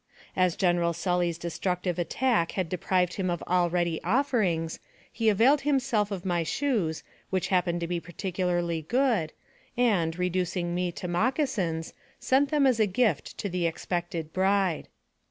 As General Sully's destructive attack had deprived him all ready offerings, he availed himself of my shoes, which happened to be particularly good, and, reducing me to moccasins, sent them as a gift to the expected bride.